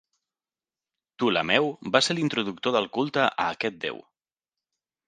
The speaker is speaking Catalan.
Ptolemeu va ser l'introductor del culte a aquest déu.